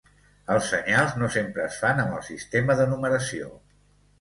Els senyals no sempre es fan amb el sistema de numeració.